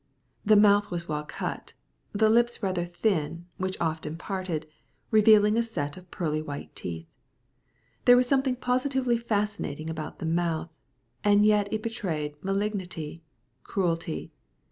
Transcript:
The mouth was well cut, the lips rather thin, which often parted, revealing a set of pearly white teeth. There was something positively fascinating about the mouth, and yet it betrayed malignity cruelty.